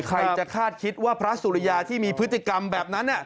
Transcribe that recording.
ใครจะคาดคิดว่าพระสุริยาที่มีพฤติกรรมแบบนั้น